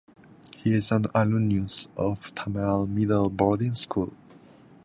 He is an alumnus of Tamale Middle Boarding School.